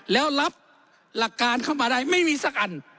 แล้วรับหลักการเข้ามาได้ไม่มีสักอัน